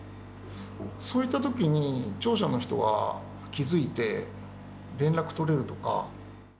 そういったときに、聴者の人が気付いて、連絡取れるとか。